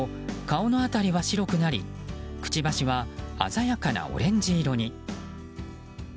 顔の辺りは白くなりくちばしは鮮やかなオレンジ色に。